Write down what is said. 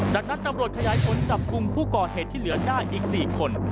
จากนั้นตำรวจขยายผลจับกลุ่มผู้ก่อเหตุที่เหลือได้อีก๔คน